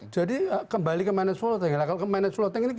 jadi tenang orang dengan tujuh belas itu tenang